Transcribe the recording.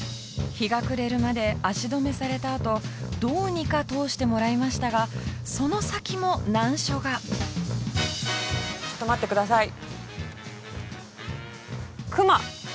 日が暮れるまで足止めされたあとどうにか通してもらいましたがその先も難所がちょっと待ってください「熊」！